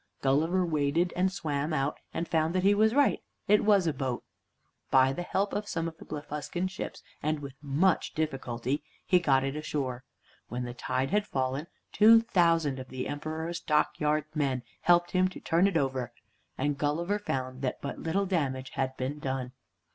Gulliver waded and swam out, and found that he was right. It was a boat. By the help of some of the Blefsucan ships, with much difficulty he got it ashore. When the tide had fallen, two thousand of the Emperor's dockyard men helped him to turn it over, and Gulliver found that but little damage had been done.